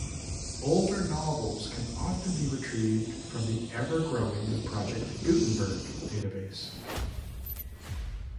Older novels can often be retrieved from the ever-growing Project Gutenberg database.